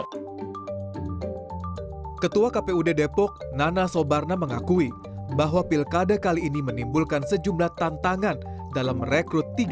ketua kpud depok nana sobarna mengakui bahwa pilkada kali ini menimbulkan sejumlah tantangan dalam merekrut tiga puluh enam satu ratus tiga puluh lima orang petugas pps